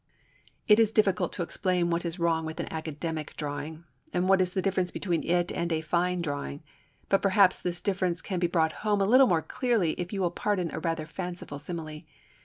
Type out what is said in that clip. ] It is difficult to explain what is wrong with an academic drawing, and what is the difference between it and fa fine drawing. But perhaps this difference can be brought home a little more clearly if you will pardon a rather fanciful simile.